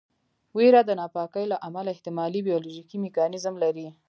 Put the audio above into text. ویره د ناپاکۍ له امله احتمالي بیولوژیکي میکانیزم لري.